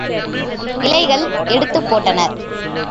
இலைகள் எடுத்துப் போட்டனர்.